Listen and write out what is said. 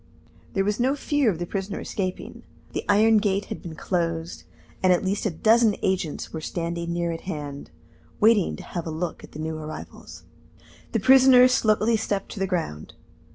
There was no fear of the prisoner escaping. The iron gate had been closed, and at least a dozen agents were standing near at hand, waiting to have a look at the new arrivals. The prisoner slowly stepped to the ground.